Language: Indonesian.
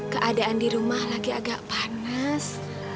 keadaan di rumah lagi agak panas